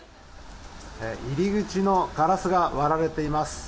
入り口のガラスが割られています。